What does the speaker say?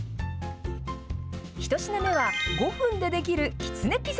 １品目は５分でできるきつねピザ。